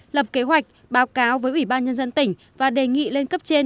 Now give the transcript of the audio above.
lập kế hoạch báo cáo với ủy ban nhân dân tỉnh và đề nghị lên cấp trên